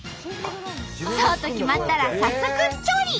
そうと決まったら早速調理。